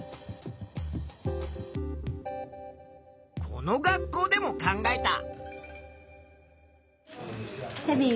この学校でも考えた。